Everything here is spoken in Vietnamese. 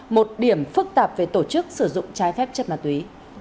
một điểm phức tạp về tổ chức sử dụng trái phép chất ma túy